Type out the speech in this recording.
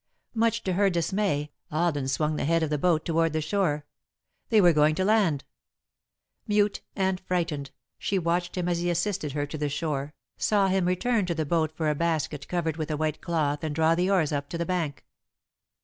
Much to her dismay, Alden swung the head of the boat toward the shore. They were going to land! Mute and frightened, she watched him as he assisted her to the shore, saw him return to the boat for a basket covered with a white cloth, and draw the oars up to the bank.